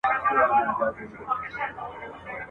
د «ځبېښاک احساس» ورکړی